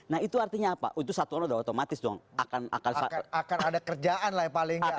nah itu artinya apa itu satuan udah otomatis dong akan ada kerjaan lah ya paling nggak